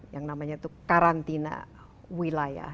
yang namanya itu karantina wilayah